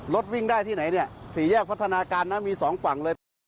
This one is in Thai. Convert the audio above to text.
รถวิ่งได้ที่ไหนฝีแยกพัฒนาการมี๒ฝั่ง